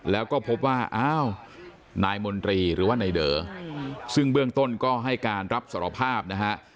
แล้วก็พบว่าอ้าวนายมนตรีหรือว่านายเด๋อซึ่งเบื้องต้นก็ให้การรับสารภาพนะฮะ